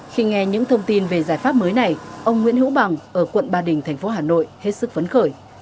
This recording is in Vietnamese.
khi nghe những thông tin về giải pháp mới này ông nguyễn hữu bằng ở quận ba đình thành phố hà nội hết sức phấn khởi